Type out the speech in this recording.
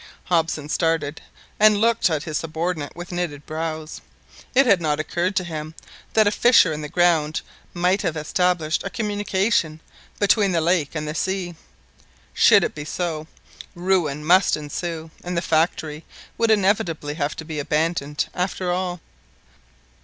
Hobson started and looked at his subordinate with knitted brows. It had not occurred to him that a fissure in the ground might have established a communication between the lake and the sea! Should it be so, ruin must ensue, and the factory would inevitably have to be abandoned after all.